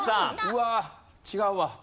うわあ違うわ。